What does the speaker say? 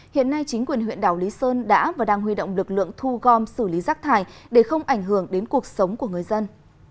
hiện nay chính quyền huyện đảo lý sơn đã và đang huy động lực lượng thu gom xử lý rác thải để không ảnh hưởng đến cuộc sống của người dân